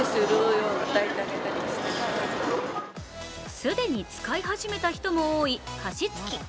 既に使い始めた人も多い加湿器。